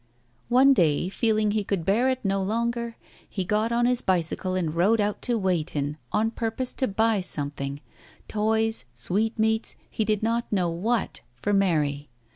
One day, feeling he could bear it no longer, he got on to his bicycle and rode out to Weighton, on purpose to buy something; toys, sweatmeats, he did not know what, for Mary.